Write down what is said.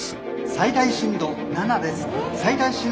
最大震度７です。